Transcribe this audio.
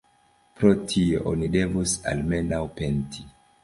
Pro tio oni devus almenaŭ penti.